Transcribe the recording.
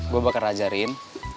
gue bakal ngajarin